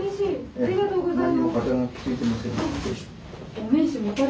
ありがとうございます。